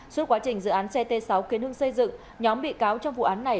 suốt quá trình dự án ct sáu kiến hưng xây dựng nhóm bị cáo trong vụ án này